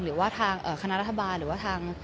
หรือว่าทางคณะรัฐบาลหรือว่าทาง